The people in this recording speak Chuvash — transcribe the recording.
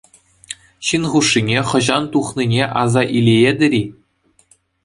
Ҫын хушшине хӑҫан тухнине аса илеетӗр-и?